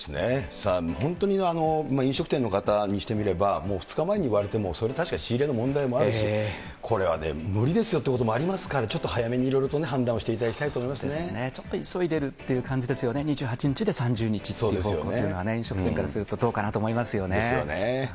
さあ、本当に飲食店の方にしてみればもう２日前に言われても、それは確かに仕入れの問題もあるし、これは無理ですよということもありますから、ちょっと早めにいろいろとね、判断をしていただきたちょっと急いでるっていう感じですよね、２８日で３０日という方向っていうのは、飲食店からするとどうかですよね。